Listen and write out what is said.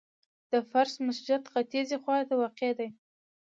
د فرش مسجد ختیځي خواته واقع دی.